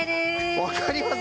わかります？